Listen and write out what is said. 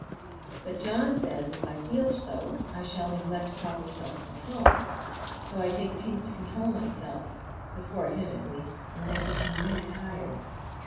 But John says if I feel so I shall neglect proper self control; so I take pains to control myself,—before him, at least,—and that makes me very tired.